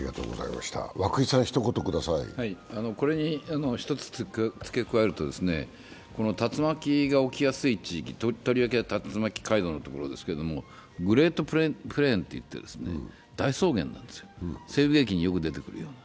これに一つ付け加えると、竜巻が起きやすい地域、取り分け竜巻街道のところですけどグレートプレーンといって大草原なんですよ、西部劇によく出てくるような。